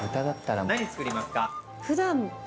何作りますか？